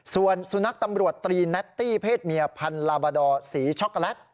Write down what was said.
ส่วนสุนัขตำรวจตรีแนตตี้เพศเมียพันลาบาดอร์สีช็อกโกแลต